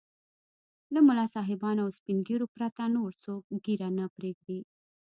له ملا صاحبانو او سپين ږيرو پرته نور څوک ږيره نه پرېږدي.